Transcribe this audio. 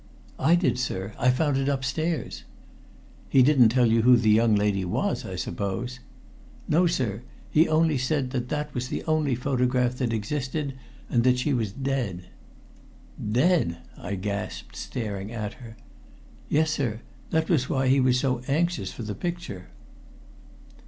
"I did, sir. I found it upstairs." "He didn't tell you who the young lady was, I suppose?" "No, sir. He only said that that was the only photograph that existed, and that she was dead." "Dead!" I gasped, staring at her. "Yes, sir. That was why he was so anxious for the picture."